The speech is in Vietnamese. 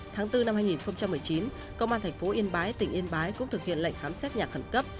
tháng bốn năm hai nghìn một mươi chín công an thành phố yên bái tỉnh yên bái cũng thực hiện lệnh khám xét nhà khẩn cấp